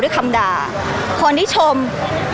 พี่ตอบได้แค่นี้จริงค่ะ